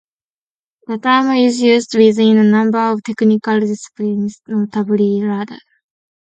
The term is used within a number of technical disciplines, notably radar.